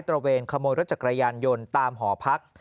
ระเวนขโมยรถจักรยานยนต์ตามหอพัก